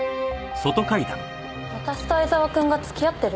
私と藍沢くんが付き合ってる？